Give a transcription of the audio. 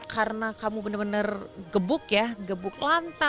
karena kamu benar benar gebuk ya gebuk lantai